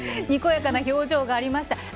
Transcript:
にこやかな表情がありました。